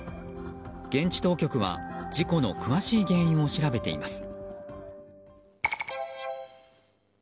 現地当局は、事故の詳しい原因を調べています。